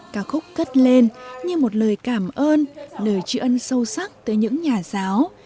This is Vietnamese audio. các khúc cất lên như một lời cảm ơn lời tri ân sâu sắc tới những nhà giáo